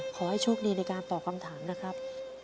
ขอให้โชคดีในการตอบคำถามนะครับ